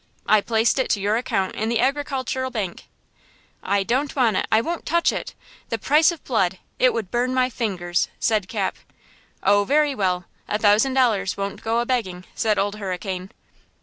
I placed it to your account in the Agricultural Bank." "I don't want it! I won't touch it! The price of blood! It would burn my fingers!" said Cap. "Oh, very well! A thousand dollars won't go a begging," said Old Hurricane.